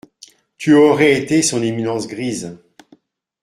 Tu aurais été son éminence grise.